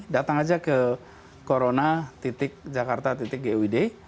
datang aja ke corona jakarta go id